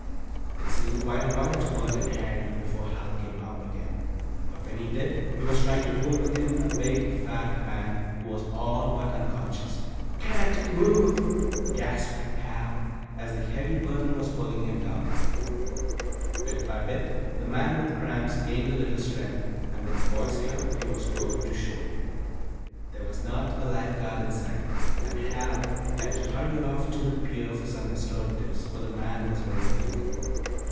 It seemed quite a while to Bert and Harry before Hal came up again, but when he did he was trying to pull with him a big, fat man, who was all but unconscious. "Can't move," gasped Hal, as the heavy burden was pulling him down. Bit by bit the man with cramps gained a little strength, and with the boys' help he was towed in to shore. There was not a life guard in sight, and Hal had to hurry off to the pier for some restoratives, for the man was very weak.